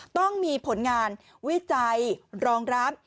ต้องมีผลงานวิจัยรองรับ